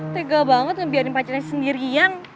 tega banget ngebiarin pacarnya sendirian